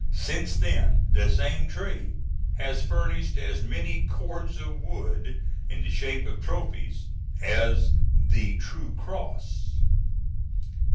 Since then the same tree has furnished as many cords of wood, in the shape of trophies, as "The True Cross."